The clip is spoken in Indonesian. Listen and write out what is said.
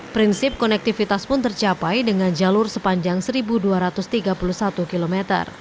prinsip konektivitas pun tercapai dengan jalur sepanjang satu dua ratus tiga puluh satu km